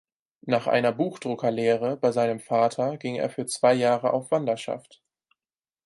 Nach einer Buchdruckerlehre bei seinem Vater ging er für zwei Jahre auf Wanderschaft.